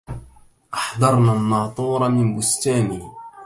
أحضرنا الناطور من بستانه